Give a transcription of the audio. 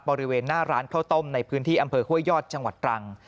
บริเวณหน้าร้านข้าวต้มในพื้นที่อำเภอห้วยยอดจังหวัดตรัง